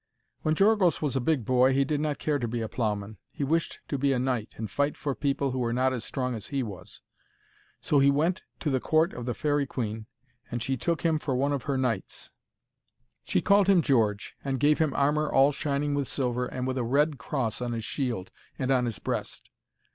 When Georgos was a big boy he did not care to be a ploughman. He wished to be a knight and fight for people who were not as strong as he was. So he went to the court of the Faerie Queen, and she took him for one of her knights. She called him George, and gave him armour all shining with silver and with a red cross on his shield and on his breast.